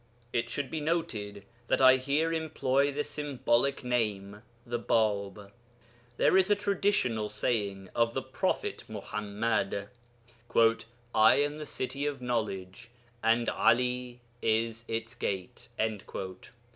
It should be noted that I here employ the symbolic name 'the Bāb.' There is a traditional saying of the prophet Muḥammad, 'I am the city of knowledge, and 'Ali is its Gate.'